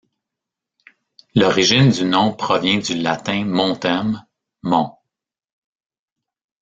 L'origine du nom provient du latin montem, mont.